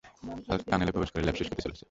Hulk টানেলে প্রবেশ করে ল্যাপ শেষ করতে চলেছে।